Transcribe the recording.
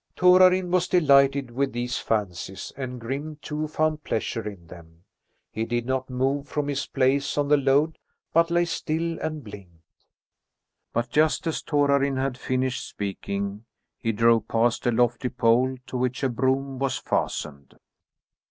Torarin was delighted with these fancies, and Grim too found pleasure in them. He did not move from his place on the load, but lay still and blinked. But just as Torarin had finished speaking he drove past a lofty pole to which a broom was fastened.